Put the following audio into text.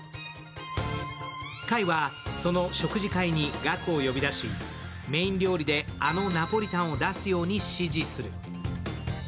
海は、その食事会に岳を呼び出し、メーン料理であのナポリタンを出すように支持する。